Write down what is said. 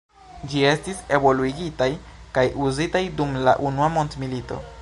Ĝi estis evoluigitaj kaj uzitaj dum la unua mondmilito.